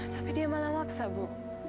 tapi dia malah maksa bu